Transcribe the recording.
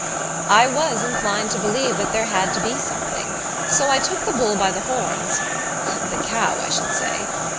I was inclined to believe that there had to be something, so I took the bull by the horns the cow, I should say!